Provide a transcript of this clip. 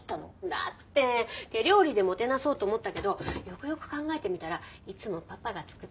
だって手料理でもてなそうと思ったけどよくよく考えてみたらいつもパパが作ってた。